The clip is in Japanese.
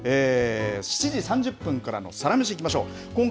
７時３０分からのサラメシ行きましょう。